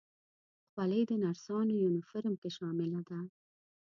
خولۍ د نرسانو یونیفورم کې شامله ده.